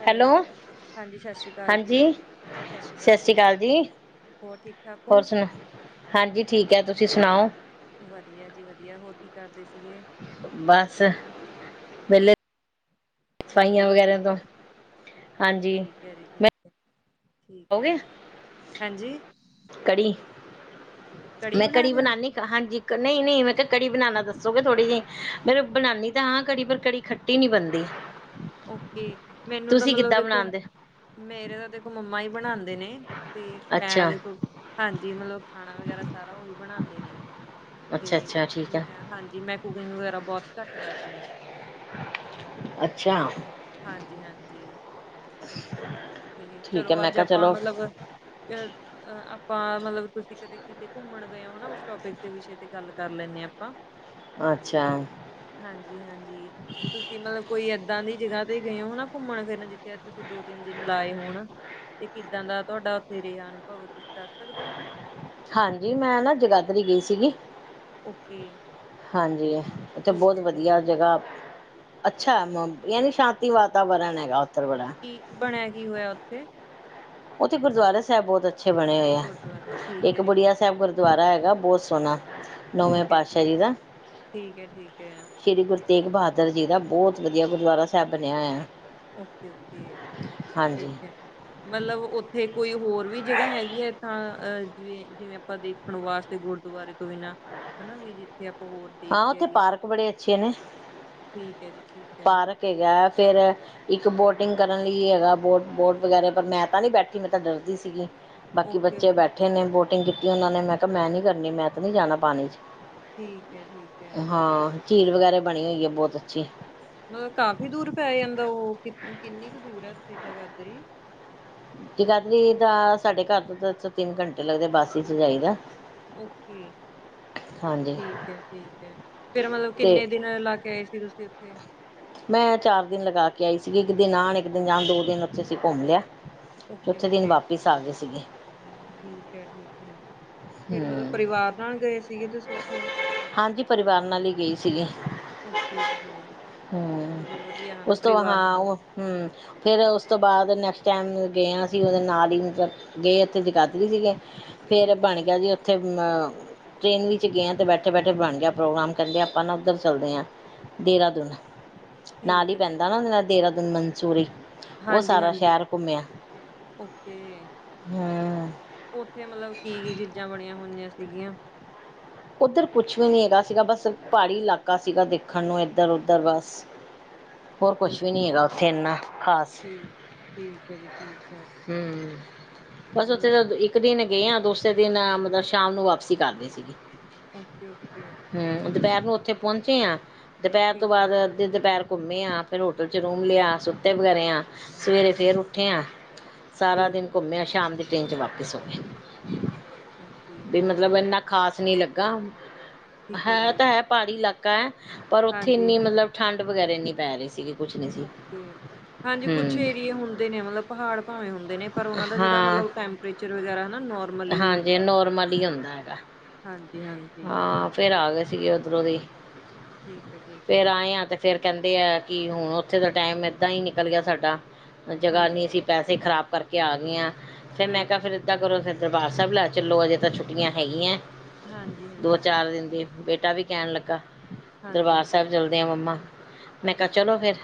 Hello ਹਾਂਜੀ, ਸਤਿ ਸ਼੍ਰੀ ਅਕਾਲ ਹਾਂਜੀ ਜੀ। ਸਤਿ ਸ਼੍ਰੀ ਅਕਾਲ ਜੀ, ਹੋਰ ਠੀਕ-ਠਾਕ ਓ? ਹੋਰ ਸੁਣਾ ਹਾਂਜੀ ਠੀਕ ਐ, ਤੁਸੀਂ ਸੁਣਾਓ? ਵਧੀਆ ਜੀ ਵਧੀਆ, ਹੋਰ ਕੀ ਕਰਦੇ ਸੀਗੇ? ਬਸ ਵੇਹਲੇ ਓਕੇ ਸਫਾਈਆਂ ਜੀ ਵਗੈਰਾ ਦਾ। ਠੀਕ ਐ ਜੀ ਠੀਕ ਐ। ਹੋਗੇ ਕੜੀ, ਮੈਂ ਬਣਾ ਕੜੀ ਰਹੇ ਹੋ ਬਣਾਨੀ ਹਾਂਜੀ, ਨ‌ਈ-ਨ‌ਈ ਮੈਂ ਕਿਹਾ ਕੜੀ ਬਣਾਨਾ ਦੱਸੋਗੇ ਥੋੜੀ ਜੀ ਮੈਂ ਬਣਾਨੀ ਤਾਂ ਹਾਂ ਕੜੀ ਪਰ ਕੜੀ ਖੱਟ ਟੀ ਨੀ ਬਣਦੀ। ਓਕੇ, ਮੈਨੂੰ ਤਾਂ ਤੁਸੀਂ ਮਤਲਬ ਕਿੱਦਾਂ ਦੇਖੋ ਬਣਾਉਂਦੇ ਮੇਰੇ ਤਾਂ ਦੇਖੋ ਮੰਮਾ ਹੀ ਬਣਾਦੇ ਨੇ। ਤੇ ਮੈਂ ਅੱਛਾ ਦੇਖੋ ਹਾਂਜੀ ਮਤਲਬ ਖਾਣਾ ਵਗੈਰਾ ਸਾਰਾ ਓਹੀ ਬਣਾਦੇ ਨੇ। ਅੱਛਾ ਤੇ ਅੱਛਾ ਠੀਕ ਹੈ ਮੈਂ ਹਾਂਜੀ ਮੈਂ ਕੂਕਿੰਗ ਵਗੈਰਾ ਬਹੁਤ ਘੱਟ ਕਰਦੀ ਆ। ਅੱਛਾ। ਹਾਂਜੀ-ਹਾਂਜੀ। [inaudible] ਤੇ ਠੀਕ ਹੈ ਚਲੋ ਮੈਂ ਅੱਜ ਕਿਹਾ ਆਪਾਂ ਚਲੋ ਮਤਲਬ ਅ ਅਹ ਆਪਾਂ ਮਤਲਬ ਤੁਸੀਂ ਕਦੇ ਕਿਤੇ ਘੁੰਮਣ ਗਏ ਓ ਹਨਾ ਓਸ ਟੋਪਿਕ ਦੇ ਵਿਸ਼ੇ ਤੇ ਗੱਲ ਕਰ ਲੈਨੇ ਆ ਆਪਾਂ। ਅੱਛਾ। ਹਾਂਜੀ-ਹਾਂਜੀ। ਤੁਸੀਂ ਮਤਲਬ ਕੋਈ ਐਦਾ ਦੀ ਜਗਾ ਤੇ ਗਏ ਓ ਹਨਾ ਘੁੰਮਣ-ਫਿਰਨ ਜਿੱਥੇ ਤੁਸੀਂ ਦੋ-ਤਿੰਨ ਦ ਦਿਨ ਲਾਏ ਹੋਣ ਤੇ ਕਿੱਦਾਂ ਦਾ ਤੁਹਾਡਾ ਓਥੇ ਰਿਹਾ ਅਨੁਭਵ ਤੁਸੀਂ ਦੱਸ ਸਕਦੇ ਓ? ਹਾਂਜੀ, ਮੈਂ ਨਾ ਜਗਾਦਰੀ ਗਈ ਸੀਗੀ। ਓਕੇ। ਹਾਂਜੀ, ਓਥੇ ਠੀਕ ਬਹੁਤ ਹੈ ਠੀਕ ਵਧੀਆ ਜਗਾ‌। ਅੱਛਾ, ਮ ਯਾਨੀ ਸ਼ਾਂਤੀ ਵਾਤਾਵਰਨ ਹੈਗਾ ਓਦਰ ਬੜਾ। ਕੀ ਬਣਿਆ ਕੀ ਹੋਇਆ ਓਥੇ? ਓਥੇ ਗੁਰਦੁਆਰਾ ਸਾਹਿਬ ਬਹੁਤ ਅੱਛੇ ਬਣੇ ਹੋਏ ਐ, ਗੁਰਦੁਆਰਾ ਠੀਕ ਇੱਕ ਹੈ ਜੀ ਠੀਕ ਬੁੜੀਆ ਹੈ ਸਾਹਿਬ ਗੁਰ ਦੁਆਰਾ ਹੈਗਾ ਬਹੁਤ ਸੋਹਣਾ। ਨੌਵੇਂ ਠੀਕ ਐ ਪਾਤਸ਼ਾਹ ਜੀ, ਦਾ ਠੀਕ ਐ ਠੀਕ ਐ। ਸ਼੍ਰੀ ਗੁਰੂ ਤੇਗ ਬਹਾਦਰ ਜੀ ਦਾ ਬਹੁਤ ਵਧੀਆ ਗੁਰਦੁਆਰਾ ਸਾਹਿਬ ਬਣਿਆ ਹੋਇਆ। ਓਕੇ ਓਕੇ, ਹਾਂਜੀ ਠੀਕ ਐ। ਮਤਲਬ ਓਥੇ ਕੋਈ ਹੋਰ ਵੀ ਜਗਾ ਹੈਗੀ ਐ ਏਦਾ ਅਹ ਜਿਵੇਂ ਜਿਵੇਂ ਆਪਾਂ ਦੇਖਣ ਵਾਸਤੇ। ਗੁਰਦੁਆਰੇ ਤੋਂ ਬਿਨਾਂ ਹਨਾ ਵੀ ਜਿੱਥੇ ਆ ਹਾਂ, ਓਥੇ ਪਾਰਕ ਬੜੇ ਅੱਛੇ ਨੇ। ਠੀਕ ਐ ਜੀ, ਠੀਕ ਐ। ਕੇ ਗਿਆ ਐ ਫੇਰ। ਇੱਕ ਬੋਟਿੰਗ ਕਰਨ ਲਈ ਹੈਗਾ ਬੋਟ ਬੋਟ ਵਗੈਰਾ ਪਰ ਮੈਂ ਤਾਂ ਨੀ ਬੈਠੀ ਮੈਂ ਤਾਂ ਡਰਦੀ ਸੀਗੀ। ਬਾਕੀ ਓਕੇ ਬੱਚੇ ਓਕੇ ਬੈਠੇ ਨੇ ਬੋਟਿੰਗ ਕੀਤੀ ਓਹਨਾਂ ਨੇ ਮੈਂ ਕਿਹਾ ਮੈਂ ਨੀ ਕਰਨੀ ਮੈਂ ਤੇ ਨਹੀ ਜਾਣਾ ਪਾਣੀ ਚ। ਠੀਕ ਹੈ ਠੀਕ ਹੈ ਹਾਂ ਚੀਲ ਵਗੈਰਾ ਬਣੀ ਹੋਈ ਏ ਬਹੁਤ ਅੱਛੀ। ਮਤਲਬ ਕਾਫ਼ੀ ਦੂਰ ਪੈ ਜਾਂਦਾ ਓ ਕਿੰਨੀ ਕ ਦੂਰ ਐ ਓਥੇ ਜਗਾਦਰੀ? ਜਗਾਧਰੀ ਦਾ ਸਾਡੇ ਘਰ ਤੋਂ ਤਾਂ ਉਥੋਂ ਤਿੰਨ ਘੰਟੇ ਲੱਗਦੇ ਬੱਸ ਚ ਹੀ ਜਾਇਦਾ ਦਾ। ਓਕੇ। ਠੀਕ ਹੈ ਠੀਕ ਹੈ ਫਿਰ ਮਤਲਬ ਤੇ ਕਿੰਨੇ ਦਿਨ ਲਾ ਕੇ ਆਏ ਸੀ ਤੁਸੀਂ ਉੱਥੇ। ਮੈਂ ਚਾਰ ਦਿਨ ਲਗਾ ਕੇ ਆਈ ਸੀਗੀ ਇੱਕ ਦਿਨ ਆਣ ਇੱਕ ਦਿਨ ਜਾਣ ਦੋ ਦਿਨ ਉੱਥੇ ਅਸੀਂ ਘੁੰਮ ਲਿਆ। ਓਕੇ ਚੌਥੇ ਦਿਨ ਓਕੇ ਵਾਪਿਸ ਆ ਗਏ ਸੀਗੇ ਠੀਕ ਹੈ ਠੀਕ ਹੈ। ਫਿਰ ਮਤਲਬ ਹੂੰ ਪਰਿਵਾਰ ਨਾਲ ਗਏ ਸਿਗੇ ਤੁਸੀਂ ਉੱਥੇ। ਹਾਂਜੀ ਪਰਿਵਾਰ ਨਾਲ ਹੀ ਗਈ ਸੀਗੀ। ਓਕੇ ਓਕੇ ਹਮ ਚਲੋ ਵਧੀਆ ਹਨਾ ਉਸ ਤੋਂ ਪਰਿਵਾਰ ਹਾਂ ਉਹ ਨਾਲ ਹਮ। ਫਿਰ ਉਸ ਤੋਂ ਬਾਅਦ ਨੈਕਸਟ ਟਾਈਮ ਗਿਆ ਸੀ ਉਹਦੇ ਨਾਲ ਹੀ ਮਤਲਬ। ਗਏ ਇੱਥੇ ਜਗਾਧਰੀ ਸੀਗੇ ਫਿਰ ਬਣ ਓਕੇ ਗਿਆ ਜੀ ਉੱਥੇ ਟ੍ਰਰੇਨ ਵਿੱਚ ਗਏ ਹ ਅਤੇ ਬੈਠੇ। ਇਕਠੇ ਬੈਠੇ ਬਣ ਗਿਆ ਪ੍ਰੋਗਰਾਮ ਕਹਿੰਦੇ ਆਪਾਂ ਨਾ ਉੱਧਰ ਚੱਲਦੇ ਹਾਂ ਦੇਹਰਾਦੂਨ ਨਾਲ ਠੀਕ ਹੀ ਹੈ ਪੈਂਦਾ। ਨਾ ਦੇਹਰਾਦੂਨ ਮਨਸੂਰੀ। ਉਹ ਹਾਂਜੀ ਸਾਰਾ ਹਾਂਜੀ ਸ਼ਹਿਰ ਘੁੰਮਿਆ ਓਕੇ ਹਮ। ਉੱਥੇ ਮੱਤਲਬ ਕੀ ਕੀ ਚੀਜ਼ਾਂ ਬਣੀਆਂ ਹੋਈਆਂ ਸਿਗੀਆ। ਉੱਧਰ ਕੁਛ ਵੀ ਨਹੀਂ ਹੈਗਾ ਸੀਗਾ ਬਸ ਪਹਾੜੀ ਇਲਾਕਾ ਸੀਗਾ ਦੇਖਣ ਨੂੰ ਇੱਧਰ ਉੱਧਰ ਬਸ। ਹੋਰ ਓਕੇ ਕੁਛ ਵੀ ਓਕੇ ਨੀ ਹੈਗਾ ਉੱਥੇ ਇਨ੍ਹਾਂ ਖ਼ਾਸ। ਠੀਕ ਠੀਕ ਹੈ ਜੀ ਠੀਕ ਹੈ। ਹਮ ਬਸ ਉੱਥੇ ਮਤਲਬ ਦਾ ਇੱਕ। ਇੱਕ ਦਿਨ ਗਏ ਆ ਦੂਸਰੇ ਦਿਨ ਮਤਲਬ ਸ਼ਾਮ ਨੂੰ ਵਾਪਸੀ ਕਰਦੀ ਸੀਗੀ। Okay okay. ਹਮ ਦੁਪਹਿਰ ਨੂੰ ਉੱਥੇ ਪਹੁੰਚੇ ਆ ਦੁਪਹਿਰ ਤੋਂ ਠੀਕ ਬਾਅਦ। ਹੈ ਅੱਧ ਦੁਪਹਿਰ ਘੁੰਮੇ ਆ ਫਿਰ ਹੋਟਲ 'ਚ ਰੂਮ ਲਿਆ ਸੁੱਤੇ ਵਗੈਰੇ ਆ ਸਵੇਰੇ ਓਕੇ, ਫਿਰ ਉੱਠੇ ਹਾਂ। ਸਾਰਾ ਠੀਕ ਦਿਨ ਘੁੰਮੇ ਹੈ, ਸ਼ਾਮ ਦੀ ਟ੍ਰੇਨ 'ਚ ਵਾਪਿਸ ਸੋਗੇ ਓਕੇ ਵੀ ਚਲੋ ਮਤਲਬ ਵਧੀਆ ਇਨ੍ਹਾਂ। ਖਾਸ ਨਹੀਂ ਲੱਗਾ ਠੀਕ ਹੈ ਜੀ ਤਾਂ ਹੈ ਪਹਾੜੀ ਇਲਾਕਾ ਹੈ ਪਰ ਉੱਥੇ ਹਾਂਜੀ ਇੰਨੀ ਮੱਤਲਬ। ਠੰਡ ਵਗੇਰੇ ਨਹੀਂ ਪੈ ਰਹੀ ਸੀਗੀ। ਕੁਛ ਨਹੀਂ ਸੀ ਓਕੇ ਹਾਂਜੀ ਕੁਛ ਹਮ ਏਰੀਏ ਹੁੰਦੇ ਨੇ ਮਤਲਬ ਪਹਾੜ ਭਾਵੇਂ ਹੁੰਦੇ। ਨੇ ਪਰ ਉਹਨਾਂ ਦਾ ਜਿਹੜਾ ਹਾਂ ਮਤਲਬ ਟੈਂਪਰੇਚਰ ਵਗੈਰਾ ਹਨਾ ਨੋਰਮਲ ਹੀ ਹਾਂਜੀ ਹੁੰਦਾ ਠੰਡ ਨੋਰਮਲ ਹੀ ਵਗੇਰਾ। ਹੁੰਦਾ ਹਾਂਜੀ ਹਾਂਜੀ। ਫਿਰ ਆ ਗਏ ਸੀਗੇ ਉੱਧਰੋਂ ਦੀ ਠੀਕ ਹੈ ਠੀਕ ਫਿਰ ਹੈ ਆਏ ਆ ਤੇ। ਫਿਰ ਕਹਿੰਦੇ ਆ ਕਿ ਹੁਣ ਉੱਥੇ ਦਾ ਟਾਈਮ ਇੱਦਾਂ ਹੀ ਨਿਕਲ ਗਿਆ ਸਾਡਾ ਜਗ੍ਹਾ ਹਾਂਜੀ ਨਹੀਂ ਸੀ। ਹਾਂਜੀ ਪੈਸੇ ਖ਼ਰਾਬ ਕਰਕੇ ਆ ਗਏ ਆ ਫਿਰ ਮੈਂ ਕਿਹਾ ਬਿਲਕੁਲ ਫਿਰ ਇੱਦਾਂ ਬਿਲਕੁਲ ਕਰੋ ਫਿਰ। ਦਰਬਾਰ ਸਾਹਿਬ ਲੈ ਚੱਲੋ ਅਜੇ ਤਾਂ ਛੁੱਟੀਆਂ ਹੈਗੀਆਂ। ਹਾਂਜੀ। ਦੋ ਹਾਂਜੀ ਚਾਰ ਬਿਲਕੁਲ ਦਿਨ ਦੀ ਬੇਟਾ ਵੀ ਕਹਿਣ ਲੱਗਾ। ਹਾਂਜੀ ਦਰਬਾਰ ਹਾਂਜੀ ਸਾਹਿਬ ਚਲਦੇ ਆ ਮੰਮਾ ਮੈਂ ਕਿਹਾ ਬਿਲਕੁਲ ਚਲੋ ਫਿਰ।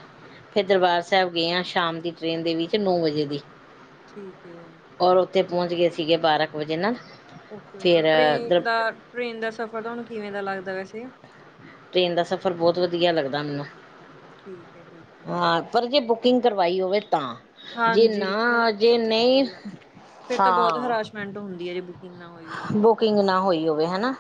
ਫਿਰ ਦਰਬਾਰ ਸਾਹਿਬ ਗਏ ਹਾਂ ਸ਼ਾਮ ਦੀ ਟ੍ਰਰੇਨ ਦੇ ਵਿੱਚ ਨੌ ਵਜੇ ਦੀ। ਠੀਕ ਏ। ਔਰ ਉੱਥੇ ਪਹੁੰਚ ਗਏ ਸੀਗੇ ਬਾਰਾਂ ਕੁ ਵਜੇ ਨਾ। ਓਕੇ ਓਕੇ ਟ੍ਰੇਨ ਦਾ ਟ੍ਰੇਨ ਦਾ ਸਫ਼ਰ ਤੁਹਾਨੂੰ ਕਿਵੇਂ ਦਾ ਲੱਗਦਾ ਵੈਸੇ। ਟ੍ਰੇਨ ਦਾ ਸਫ਼ਰ ਬਹੁਤ ਵਧੀਆ ਲੱਗਦਾ ਮੈਨੂੰ ਠੀਕ ਹੈ ਠੀਕ ਹੈ ਹਾਂ ਪਰ ਜੇ ਬੁੱਕ। ਕਿੰਗ ਕਰਵਾਈ ਹੋਵੇ ਤਾਂ ਜੇ ਹਾਂਜੀ ਨਾ ਮਤਲਬ ਜੇ ਇਹ ਨਹੀਂ ਹਾਂ ਮੈਂਟ ਹੁੰਦੀ ਹੈ ਜੇ ਬੁਕਿੰਗ ਨਾ ਹੋਈ ਹੋਵੇ ਬੁਕਿੰਗ ਨਾ ਹੋਈ ਹੋਵੇ ਹਨਾ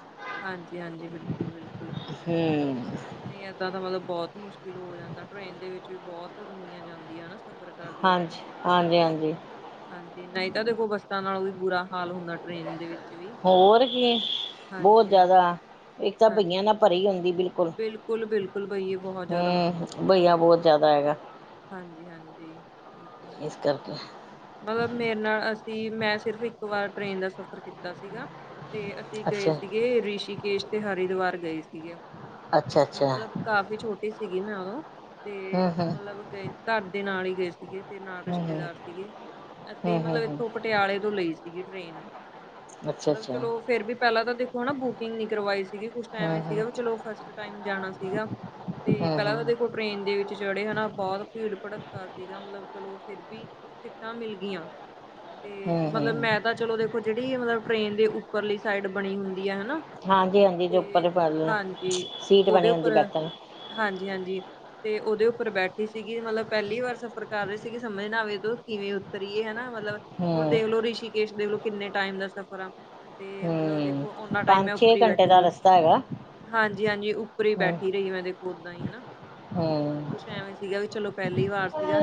ਹਾਂਜੀ ਹਾਂਜੀ ਬਿਲਕੁਲ ਬਿਲਕੁਲ ਹੂੰ ਨਹੀਂ ਏਦਾਂ ਤਾਂ ਮਤਲਬ ਬਹੁਤ ਮੁਸ਼ਕਿਲ ਹੋ ਜਾਂਦਾ ਟ੍ਰਰੇਨ ਦੇ ਵਿੱਚ ਵੀ ਬਹੁਤ ਦੁਨੀਆਂ ਜਾਂਦੀ ਆ ਨਾ ਸਫ਼ਰ ਕਰਦੀ ਹੈ ਟ੍ਰੇਨ ਹਾਂਜੀ, ਦੇ ਵਿੱਚ ਵੀ ਹਾਂਜੀ-ਹਾਂਜੀ। ਹਾਂਜੀ, ਨਈ ਤਾਂ ਦੇਖੋ ਬੱਸਾਂ ਨਾਲੋਂ ਵੀ ਬੁਰਾ ਹਾਲ ਹੁੰਦਾ ਟ੍ਰੇਨ ਦੇ ਵਿੱਚ ਵੀ। ਹੋਰ ਕੀ ਬੋ ਹਾਂਜੀ ਹਾਂਜੀ ਜਿਆਦਾ ਇੱਕ ਤਾਂ ਹਾਂਜੀ ਬਈਆਂ ਨਾਲ ਭਰੀ ਹੁੰਦੀ ਬਿਲ ਕੁਲ, ਬਿਲਕੁਲ ਬਿਲਕੁਲ ਬਈਏ ਬਹੁਤ ਜ਼ਿਆਦਾ ਹੂੰ ਬਈਆਂ ਬੋ ਜਿਆਦਾ ਹੈਗਾ। ਹਾਂਜੀ-ਹਾਂਜੀ ਬਿਲਕੁੱਲ। ਇਸ ਕਰਕੇ। ਮਤਲਬ ਮੇਰੇ ਨਾਲ ਅਸੀਂ ਮੈਂ ਸਿਰਫ ਇੱਕ ਵਾਰ ਟ੍ਰੇਨ ਦਾ ਸਫ਼ਰ ਕੀਤਾ ਸੀਗਾ 'ਤੇ ਅਸੀਂ ਗਏ ਅੱਛਾ ਸੀਗੇ ਰਿਸ਼ੀਕੇਸ਼ 'ਤੇ ਹਰੀਦੁਆਰ ਗਏ ਸੀਗੇ, ਅੱਛਾ ਅੱਛਾ ਮਤਲਬ ਕਾਫ਼ੀ ਛੋਟੀ ਸੀਗੀ ਮੈਂ ਉਦੋਂ 'ਤੇ ਹੂੰ ਹੂੰ ਮਤਲਬ ਗਏ ਘਰ ਦੇ ਨਾਲ ਈ ਗਏ ਸੀਗੇ 'ਤੇ ਨਾਲ ਹੂੰ ਹੂੰ ਰਿਸ਼ਤੇਦਾਰ ਸੀਗੇ। ਅਸੀਂ ਹੂੰ ਹੂੰ ਮਤਲਬ ਹੂੰ ਇੱਥੋਂ ਪਟਿਆਲੇ ਤੋਂ ਲਈ ਸੀਗੀ ਟ੍ਰੇਨ। ਅੱਛਾ ਮਤਲਬ ਅੱਛਾ ਚਲੋ ਫੇਰ ਵੀ ਪਹਿਲਾਂ ਤਾਂ ਦੇਖੋ ਨਾ ਬੁਕਿੰਗ ਨੀ ਕਰਵਾਈ ਸੀਗੀ ਕੁੱਛ ਟਾਈਮ ਹੂੰ ਈ ਹੂੰ ਸੀਗਾ ਵੀ ਚਲੋ ਫਸਟ ਇੱਕ ਟਾਈਮ ਜਾਣਾ ਸੀਗਾ 'ਤੇ ਹੂੰ ਪਹਿਲਾਂ ਹੂੰ ਤਾਂ ਦੇ ਖੋ ਟ੍ਰੇਨ ਦੇ ਵਿੱਚ ਚੜੇ ਹਨਾ ਬੋਤ ਭੀੜ ਭੜੱਕਾ ਸੀਗਾ ਮਤਲਬ ਚਲੋ ਫੇਰ ਵੀ ਟਿਕਟਾਂ ਮਿਲ ਗਈਆਂ 'ਤੇ ਹੂੰ ਮਤਲਬ ਹੂੰ ਮੈਂ ਤਾਂ ਚਲੋ ਦੇਖੋ ਜਿਹੜੀ ਮਤਲਬ ਟ੍ਰੇਨ ਦੇ ਉੱਪਰਲੀ ਸਾਈਡ ਬਣੀ ਹੁੰਦੀ ਆ ਹਨਾ ਹਾਂਜੀ ਹਾਂਜੀ ਜੋ 'ਤੇ ਉੱਪਰ ਵਾਲੀ ਹਾਂਜੀ ਸੀਟ ਉਦੇ ਬਣੀ ਹੁੰਦੀ ਉੱਪਰ, ਬੈਠਣ ਹਾਂਜੀ-ਹਾਂਜੀ 'ਤੇ ਉਦੇ ਉੱਪਰ ਬੈਠੀ ਸੀਗੀ ਮਤਲਬ ਪਹਿਲੀ ਵਾਰ ਸਫ਼ਰ ਕਰ ਰੇ ਸੀਗੀ ਸਮਝ ਨਾ ਆਵੇ ਏਦੋ ਕਿਵੇਂ ਉਤਰੀਏ ਹਨਾ ਮਤਲਬ ਹੂੰ ਹੁਣ ਦੇਖਲੋ ਰਿਸ਼ੀਕੇਸ਼ ਦੇਖਲੋ ਕਿੰਨੇ ਟਾਈਮ ਦਾ ਸਫ਼ਰ ਆ। 'ਤੇ ਮਤਲਬ ਹੂੰ ਦੇਖੋ ਉਨਾਂ ਟਾਈਮ ਮੈਂ ਉੱਪਰ ਈ ਘੰਟੇ ਬੈਠੀ ਦਾ ਰੀ। ਰਸਤਾ ਹੈਗਾ ਹਾਂਜੀ-ਹਾਂਜੀ ਉੱਪਰ ਈ ਹੂੰ ਬੈਠੀ ਰੀ ਮੈਂ ਦੇਖੋ ਉਦਾਂ ਈ ਹਨਾ। ਹੂੰ ਕੁਛ ਐਵੇਂ ਸੀਗਾ ਵੀ ਚਲੋ ਪਹਿਲੀ ਵਾਰ ਹੂੰ ਸੀਗਾ,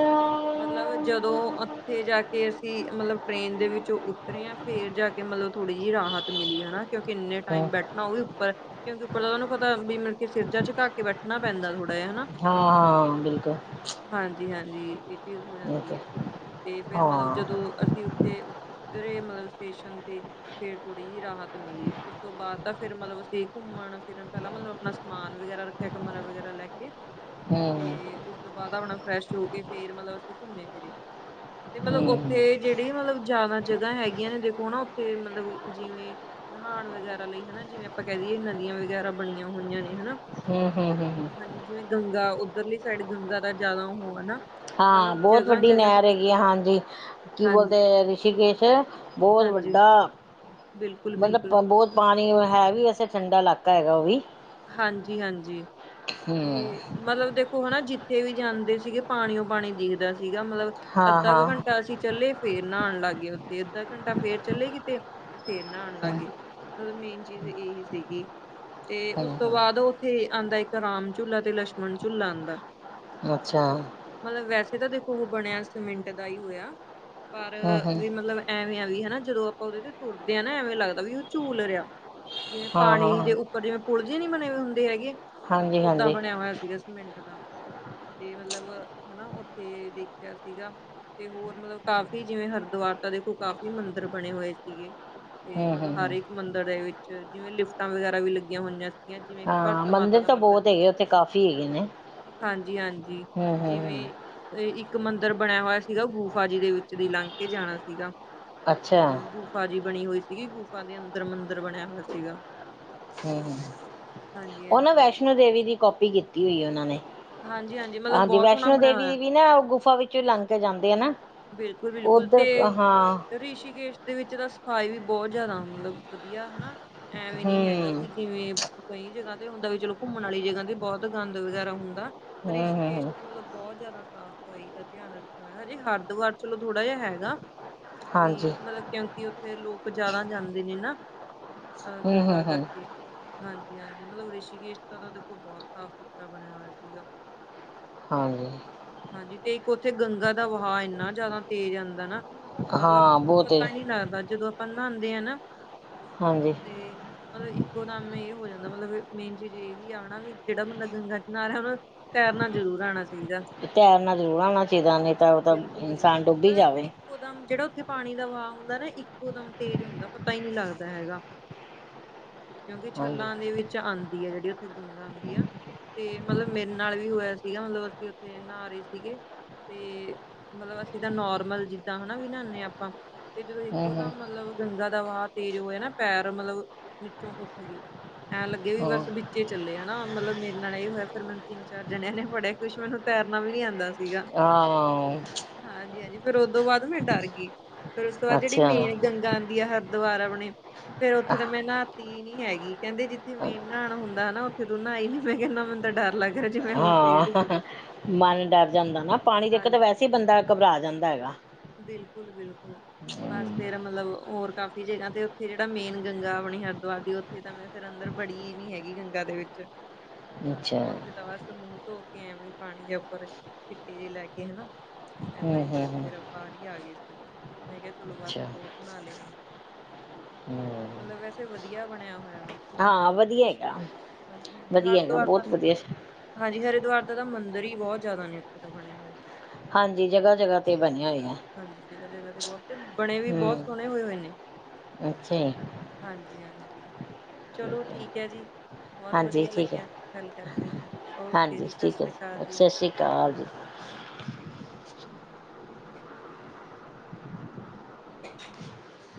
ਮਤਲਬ ਜਦੋਂ ਉੱਥੇ ਜਾ ਕੇ ਅਸੀਂ ਮਤਲਬ ਟ੍ਰੇਨ ਦੇ ਵਿੱਚੋਂ ਉਤਰੇ ਆ ਫੇਰ ਜਾ ਕੇ ਮਤਲਬ ਥੋੜੀ ਜੀ ਰਾਹਤ ਮਿਲੀ ਹਨਾ ਕਿਉਂਕਿ ਇੰਨੇ ਟਾਈਮ ਹਾਂ ਬੈਠਣਾ ਓ ਵੀ ਉੱਪਰ ਕਿਉਂਕਿ ਉੱਪਰ ਤਾਂ ਤੋਨੂੰ ਪਤਾ ਵੀ ਮਤਲਬ ਸਿਰ ਜਾ ਚੁੱਕਾ ਕੇ ਬੈਠਣਾ ਪੈਂਦਾ ਥੋੜਾ ਜਾ ਹਨਾ। ਹਾਂ ਬਿਲਕੁੱਲ। ਹਾਂਜੀ-ਹਾਂਜੀ ਏ ਚੀਜ਼ ਹੋ ਜਾਂਦੀ ਆ। ਕੀ ਫੇਰ ਮਤਲਬ ਹਾਂ ਜਦੋਂ ਅਸੀਂ ਉੱਥੇ ਉਤਰੇ ਮਤਲਬ ਸਟੇਸ਼ਨ 'ਤੇ ਫੇਰ ਥੋੜੀ ਜੀ ਰਾਹਤ ਮਿਲੀ ਉਸ ਤੋਂ ਬਾਅਦ ਤਾਂ ਫੇਰ ਮਤਲਬ ਅਸੀਂ ਘੁੰਮਣ ਫਿਰਨ ਪਹਿਲਾਂ ਮਤਲਬ ਆਪਣਾ ਸਮਾਨ ਵਗੈਰਾ ਰੱਖਿਆ ਕਮਰਾ ਵਗੈਰਾ ਲੈ ਕੇ ਹੂੰ 'ਤੇ ਉਸ ਤੋਂ ਬਾਅਦ ਆਪਣਾ ਫਰੈਸ਼ ਹੋ ਕੇ ਫੇਰ ਮਤਲਬ ਅਸੀਂ ਘੁੰਮੇ ਫਿਰੇ। 'ਤੇ ਮਤਲਬ ਹੂੰ ਹੂੰ ਉੱਥੇ ਜਿਹੜੀ ਮਤਲਬ ਜ਼ਿਆਦਾ ਜਗਾ ਹੈਗੀਆਂ ਨੇ ਦੇਖੋ ਨਾ ਉੱਥੇ ਮਤਲਬ ਜਿਵੇਂ ਨਹਾਣ ਵਗੈਰਾ ਲਈ ਹਨਾ ਜਿਵੇਂ ਆਪਾਂ ਕੈ ਦੀਏ ਨਦੀਆਂ ਵਗੈਰਾ ਬਣੀਆਂ ਹੋਈਆਂ ਨੇ ਹਨਾ ਹੂੰ-ਹੂੰ-ਹੂੰ-ਹੂੰ। ਹਾਂਜੀ ਜਿਵੇਂ ਗੰਗਾ ਉੱਧਰਲੀ ਸਾਈਡ ਗੰਗਾ ਦਾ ਜਿਆਦਾ ਹੋ ਹਨਾ। ਹਾਂ ਮਤਲਬ ਬੋਤ ਵੱਡੀ ਜਗ੍ਹਾ-ਜਗ੍ਹਾ ਤੇ ਨਹਿਰ ਹੈਗੀ ਆ ਹਾਂਜੀ। ਕੀ ਹਾਂਜੀ ਬੋਲਦੇ ਰਿਸ਼ੀਕੇਸ਼ ਬੋਤ ਹਾਂਜੀ ਵੱਡਾ, ਬਿਲਕੁਲ ਮਤਲਬ ਬਿਲਕੁਲ ਪੰ ਬੋਤ ਪਾਣੀ ਹੈ ਵੀ ਵੈਸੇ ਠੰਡਾ ਇਲਾਕਾ ਹੈਗਾ ਓ ਵੀ। ਹਾਂਜੀ-ਹਾਂਜੀ ਹੂੰ 'ਤੇ ਮਤਲਬ ਦੇ ਓ ਹਨਾ ਜਿੱਥੇ ਵੀ ਜਾਂਦੇ ਸੀਗੇ ਪਾਣੀ ਓ ਪਾਣੀ ਦਿਖਦਾ ਸੀਗਾ ਮਤਲਬ ਹਾਂ ਅੱਧਾ ਕ ਹਾਂ ਘੰਟਾ ਅਸੀਂ ਚੱਲੇੇ ਫੇਰ ਨਾਨ ਲਾਂਗੇ ਉੱਥੇ ਅੱਧਾ ਘੰਟਾ ਫੇਰ ਚਲੇੇ ਕਿਤੇ ਫੇਰ ਨਾਨ ਹੂੰ ਲਾਂਗੇ। ਮਤਲਬ ਮੇਨ ਚੀਜ਼ ਏਹੀ ਸੀਗੀ। 'ਤੇ ਉਸ ਹੂੰ ਤੋਂ ਬਾਅਦ ਹੂੰ ਉੱਥੇ ਆਂਦਾ ਇੱਕ ਰਾਮ ਝੁਲਾ 'ਤੇ ਲਛਮਣ ਝੁਲਾ ਆਂਦਾ। ਅੱਛਾ। ਮਤਲਬ ਵੈਸੇ ਤਾਂ ਦੇਖੋ ਉਹ ਬਣਿਆ ਸੀਮਿੰਟ ਦਾ ਈ ਹੋਇਆ ਪਰ ਹੂੰ ਹੂੰ ਵੀ ਮਤਲਬ ਐਵੇਂ ਆ ਗਈ ਹਨਾ ਜਦੋਂ ਆਪਾਂ ਉਹਦੇ ਤੇ ਤੁਰਦੇ ਹਾਂ ਨਾ ਐਵੇਂ ਲੱਗਦਾ ਵੀ ਉਹ ਝੂਲ ਰਿਹਾ। ਜਿਵੇਂ ਹਾਂ ਹਾਂ ਪਾਣੀ ਦੇ ਹਾਂ ਉੱਪਰ ਜਿਵੇਂ ਪੁਲ ਜਿਹੇ ਨਹੀਂ ਬਣੇ ਹੋਏ ਹੁੰਦੇ ਹੈਗੇ। ਹਾਂਜੀ ਓਦਾਂ ਹਾਂਜੀ ਬਣਿਆ ਹੋਇਆ ਸੀਗਾ। ਮਿੰਟ ਦਾ ਤੇ ਮਤਲਬ ਹਨਾ ਉੱਥੇ ਦੇਖਿਆ ਸੀਗਾ। ਤੇ ਹੋਰ ਮਤਲਬ ਕਾਫ਼ੀ ਜਿਵੇਂ ਹਰਿਦੁਆਰ ਤਾਂ ਦੇਖੋ ਕਾਫੀ ਮੰਦਰ ਬਣੇ ਹੋਏ ਸੀਗੇ। ਤੇ ਹੂੰ ਹੂੰ ਮਤਲਬ ਹਰ ਹੂੰ ਇੱਕ ਮੰਦਿਰ ਦੇ ਵਿੱਚ ਜਿਵੇਂ ਲਿਫਟਾਂ ਵਗੈਰਾ ਵੀ ਲੱਗੀਆਂ ਹੋਈਆਂ। ਗਈਆਂ ਜਿਵੇਂ ਹਾਂ ਭਾਰਤ ਮਾਤਾ ਮੰਦਿਰ ਦਾ ਤਾਂ ਮੰਦਰ। ਬਹੁਤ ਹੈਗੇ ਉੱਥੇ ਕਾਫੀ ਹੈਗੇ ਨੇ ਹਾਂਜੀ, ਹਾਂਜੀ, ਹੂੰ ਹੂੰ ਹੂੰ ਜਿਵੇਂ। ਤੇ ਇੱਕ ਮੰਦਿਰ ਬਣਿਆ ਹੋਇਆ ਸੀਗਾ ਗੁਫ਼ਾ ਜੀ ਦੇ ਵਿੱਚ ਦੀ ਲੰਘ ਕੇ ਜਾਣਾ ਸੀਗਾ। ਅੱਛਾ ਜਿਵੇਂ ਗੁਫ਼ਾ ਜੀ ਬਣੀ ਹੋਈ ਸੀਗੀ ਗੁਫ਼ਾ ਦੇ ਅੰਦਰ ਮੰਦਿਰ ਬਣਿਆ ਹੋਇਆ ਸੀਗਾ। ਹੂੰ ਹਾਂਜੀ ਉਹ ਨਾ ਹਾਂਜੀ ਵੈਸ਼ਨੋ ਦੇਵੀ ਦੀ ਕਾਪੀ ਕੀਤੀ ਹੋਈ ਉਹਨਾਂ ਨੇ। ਹਾਂਜੀ ਮਤਲਬ ਹਾਂਜੀ ਬਹੁਤ ਸੋਹਣਾ ਵੈਸ਼ਨੋ ਬਣਿਆ ਦੇਵੀ ਹੋਇਆ ਵੀ ਨਾ ਉਹ ਗੁਫਾ ਵਿੱਚੋਂ ਲੰਘ ਕੇ ਜਾਂਦੇ ਆ ਨਾ। ਬਿਲਕੁਲ, ਬਿਲਕੁਲ ਉਧਰ ਤੇ ਹਾਂ ਰਿਸ਼ੀਕੇਸ਼ ਦੇ ਵਿੱਚ ਤਾਂ। ਪਾਏ ਵੀ ਬਹੁਤ ਜਿਆਦਾ ਮਤਲਬ ਵਧੀਆ ਹਨਾ ਐਵੇਂ ਨੀ ਹੈਗਾ ਹੂੰ ਵੀ ਜਿਵੇਂ। ਕਈ ਜਗ੍ਹਾ ਤੇ ਹੁੰਦਾ ਵੀ ਚਲੋ ਘੁੰਮਣ ਵਾਲੀ ਜਗ੍ਹਾ ਤੇ ਬਹੁਤ ਗੰਦ ਵਗੈਰਾ ਹੁੰਦਾ। ਹੂੰ ਹੂੰ ਰਿਸ਼ੀਕੇਸ਼ ਹੂੰ ਤਾਂ ਮਤਲਬ ਬਹੁਤ ਜ਼ਿਆਦਾ ਸਾਫ਼। ਸਫ਼ਾਈ ਦਾ ਧਿਆਨ ਰੱਖਿਆ ਹੋਇਆ ਹਜੇ ਹਰਿਦੁਆਰ ਚਲੋ ਥੋੜਾ ਜਿਹਾ ਹੈਗਾ। ਵੀ ਹਾਂਜੀ ਮਤਲਬ ਕਿਉਂਕਿ ਉੱਥੇ ਲੋਕ ਜ਼ਿਆਦਾ ਜਾਂਦੇ ਨੇ ਨਾ। ਅਹ ਹੂੰ ਹੂੰ ਗੰਗਾ ਹੂੰ ਕਰਕੇ। ਹਾਂਜੀ, ਹਾਂਜੀ, ਮਤਲਬ ਰਿਸ਼ੀਕੇਸ਼ ਦਾ ਤਾਂ ਦੇਖੋ ਬਹੁਤ ਸਾਫ਼- ਸੁਥਰਾ ਬਣਿਆ ਹੋਇਆ ਸੀਗਾ। ਹਾਂਜੀ ਹਾਂਜੀ, ਤੇ ਇੱਕ ਉੱਥੇ ਗੰਗਾ ਦਾ ਵਹਾ ਇੰਨਾ ਜ਼ਿਆਦਾ ਤੇਜ਼ ਆਉਂਦਾ ਨਾ। ਮਤਲਬ ਹਾਂ ਬਹੁਤ ਹੈ ਪਤਾ ਨੀ ਲੱਗਦਾ ਜਦੋਂ ਆਪਾਂ ਨਹਾਂਉਂਦੇ ਹਾਂ ਨਾ। ਹਾਂਜੀ ਤੇ ਮਤਲਬ ਇੱਕੋ। ਦਮ ਇਹ ਹੋ ਜਾਂਦਾ ਮਤਲਬ ਮੇਨ ਚੀਜ਼ ਇਹ ਹੀ ਆ ਨਾ ਵੀ ਜਿਹੜਾ ਬੰਦਾ ਗੰਗਾ 'ਚ ਨਾ ਰਿਹਾ ਹੈ ਨਾ। ਤੈਰਨਾ ਜ਼ਰੂਰ ਆਉਣਾ। ਤੈਰਨਾ ਜ਼ਰੂਰ ਆਉਣਾ ਚਾਹੀਦਾ ਨਹੀਂ ਤਾਂ ਉਹ ਤਾਂ ਬਿਲਕੁਲ ਬਿਲਕੁਲ ਇਨਸਾਨ ਡੁੱਬੀ ਈ ਮਤਲਬ ਜਾਵੇ। ਇੱਕੋ ਦਮ ਜਿਹੜਾ ਉੱਥੇ ਪਾਣੀ ਦਾ ਵਹਾਅ ਹੁੰਦਾ ਨਾ ਇੱਕੋ ਦਮ ਤੇਜ਼ ਹੁੰਦਾ ਪਤਾ ਹੀ ਨਹੀਂ ਲੱਗਦਾ ਹੈਗਾ। ਕਿਉਂਕਿ ਹਾਂਜੀ ਛਲਾਂ ਦੇ ਵਿੱਚ ਆਉਂਦੀ ਆ ਜਿਹੜੀ ਉੱਥੇ ਗੰਗਾ ਆਉਂਦੀ ਆ ਤੇ ਮਤਲਬ। ਮੇਰੇ ਨਾਲ ਵੀ ਹੋਇਆ ਸੀਗਾ ਮਤਲਬ ਅਸੀਂ ਉੱਥੇ ਨਹਾ ਰਹੇ ਸੀਗੇ। ਤੇ ਮਤਲਬ ਅਸੀਂ ਤਾਂ ਨੋਰਮਲ ਜਿੱਦਾਂ ਹਨਾ ਵੀ ਨਹਾਣੇ ਹਾਂ ਆਪਾਂ। ਤੇ ਜਦੋਂ ਹੂੰ ਹੂੰ ਇੱਕੋਦਮ ਮਤਲਬ ਗੰਗਾ ਦਾ ਵਾਹ ਤੇਜ਼ ਹੋਇਆ ਨਾ ਪੈਰ ਮਤਲਬ ਨੀਚੋਂ ਉੱਠ ਗਏ। ਐਂ ਲੱਗੇ ਵੀ ਹੂੰ ਬਸ ਵਿੱਚੇ ਚੱਲੇ ਹਨਾ ਮਤਲਬ ਮੇਰੇ ਨਾਲ ਇਹ ਹੋਇਆ ਫਿਰ। ਮੈਨੂੰ ਤਿੰਨ ਚਾਰ ਜਣਿਆਂ ਨੇ ਫੜਿਆ ਕੁਛ ਮੈਨੂੰ ਤੈਰਨਾ ਵੀ ਨੀ ਆਉਂਦਾ ਸੀਗਾ। ਹਾਂ। ਹਾਂਜੀ, ਹਾਂਜੀ ਫੇਰ ਉਦੋਂ ਬਾਅਦ ਮੈਂ ਡਰ ਗਈ ਫੇਰ ਉਸ ਤੋਂ ਬਾਅਦ ਜਿਹੜੀ ਅੱਛਾ ਮੇਨ ਗੰਗਾ ਆਉਂਦੀ ਆਂ। ਦੁਵਾਰਾ ਆਪਣੀ। ਫੇਰ ਉੱਥੇ ਤਾਂ ਅਹ, ਮੈਂ ਨਾਤੀ ਨੀ ਹੈਗੀ ਕਹਿੰਦੇ ਜਿੱਥੇ ਮੇਨ ਨਾਣਾ ਹੁੰਦਾ ਨਾ ਉੱਥੇ ਤੂੰ ਨਾਈ ਨੀ। ਮੈਂ ਕਿਹਾ ਨਾ ਮੈਨੂੰ ਤਾਂ ਡਰ ਲੱਗ ਰਿਹਾ ਜਿਵੇਂ ਹੁਣ। ਫੇਰ ਡੁੱਬਗੀ ਮਨ ਡਰ ਜਾਂਦਾ ਨਾ ਪਾਣੀ ਦੇਖ ਕੇ ਹਾਂਜੀ ਤਾਂ ਵੈਸੇ ਹੀ ਬੰਦਾ ਘਬਰਾ ਜਾਂਦਾ ਹੈਗਾ। ਬਿਲਕੁਲ ਬਿਲਕੁਲ ਬਸ ਫੇਰ ਮਤਲਬ ਹੋਰ ਕਾਫੀ ਜਗ੍ਹਾ ਤੇ ਉੱਥੇ ਜਿਹੜਾ ਮੇਨ ਗੰਗਾ ਆਪਣੀ ਹਰਿਦੁਆਰ ਦੀ ਉੱਥੇ ਤਾਂ ਮੈਂ‌। ਫਿਰ ਅੰਦਰ ਬੜੀ ਨੀ ਹੈਗੀ ਗੰਗਾ ਦੇ ਵਿੱਚ। [unintelligible] ਉੱਥੇ ਤਾਂ ਬਸ ਮੂੰਹ ਧੋ ਕੇ ਐਵੇਂ ਹੀ ਪਾਣੀ ਜਿਹਾ ਉੱਪਰ ਛਿੱਟੇ ਜਿਹੇ ਲੈ ਕੇ ਹਨਾ। ਏਦਾਂ ਹੂੰ ਹੀ ਹੂੰ ਬਸ ਹੂੰ ਫੇਰ ਬਾਹਰ ਹੀ ਆ ਗਏ ਸੀਗੇ ਮੈਂ ਕਿਹਾ ਚਲੋ ਬਸ ਅੱਛਾ ਬਹੁਤ ਨਹਾ ਲੇ ਹੁਨ ਹੂੰ ਮਲਬ ਵੈਸੇ ਵਧੀਆਂ ਬਣਿਆਂ ਹੋਇਆ ਆ। ਘੁੰਮਣ- ਹਾਂ ਫਿਰਨ ਦੇ ਵਧੀਆ ਵਿੱਛ ਕੇ, ਹੈਗਾ ਹਾਂਜੀ -ਹਾਂਜੀ ਵਧੀਆ ਹੈਗਾ ਹਰਿਦੁਆਰ ਦਾ ਬਹੁਤ ਵਧੀਆ ਹਾਂਜੀ, ਹਰਿਦੁਆਰ ਦਾ ਤਾਂ ਮੰਦਿਰ ਹੀ ਬਹੁਤ ਜ਼ਿਆਦਾ ਨਿਯੁਕਿਤ ਬਣਿਆਂ ਹੋਇਆ। ਹਾਂਜੀ, ਜਗਾਂ- ਜਗਾਂ ਤੇ ਬਣਿਆਂ ਹੋਇਆਂ। ਹਾਂਜੀ, ਜਗਾਂ- ਜਗਾਂ ਤੇ ਬਹੁਤੇ, ਬਣੇ ਵੀ ਬਹੁਤ ਸੋਹਣੇ ਹੋਏ -ਹੋਏ ਨੇ। ਅੱਛਾ ਜੀ ਹਾਂਜੀ- ਹਾਂਜੀ, ਚਲੋਂ ਠੀਕ ਹੈ ਜੀ। ਬਹੁਤ ਹਾਂਜੀ ਵਧੀਆਂ ਠੀਕ ਹੈ ਲੱਗਿਆ ਗੱਲ ਕਰਕੇ, ਓਕੇ ਜੀ ਸਤਿ ਸ੍ਰੀ ਅਕਾਲ ਜੀ। ਤਾਂਜ। [inaudible]